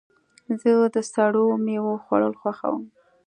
زه د سړو میوو خوړل خوښوم.